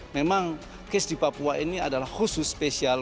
memang case di papua ini adalah khusus spesial